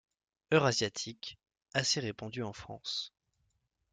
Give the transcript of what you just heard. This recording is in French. Eurasiatique, assez répandue en France.